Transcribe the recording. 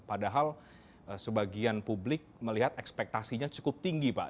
padahal sebagian publik melihat ekspektasinya cukup tinggi pak